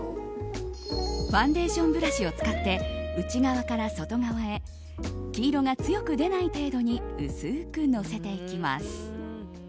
ファンデーションブラシを使って、内側から外側へ黄色が強く出ない程度に薄くのせていきます。